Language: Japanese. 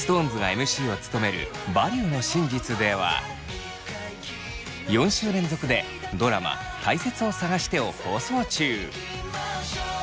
ＭＣを務める「バリューの真実」では４週連続でドラマ「たいせつを探して」を放送中。